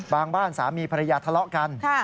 บ้านสามีภรรยาทะเลาะกัน